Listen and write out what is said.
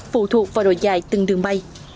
phụ thuộc vào độ dài từng đường bay